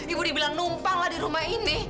ibu dibilang numpang lah di rumah ini